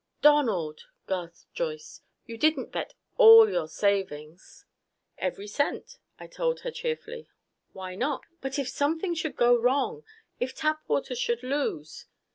"Donald!" gasped Joyce. "You didn't bet all your savings?" "Every cent," I told her cheerfully. "Why not?" "But if something should go wrong! If Tapwater should lose!"